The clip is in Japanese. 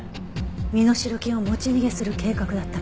身代金を持ち逃げする計画だったのね。